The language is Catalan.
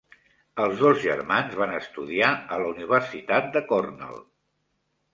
Els dos germans van estudiar a la Universitat de Cornell.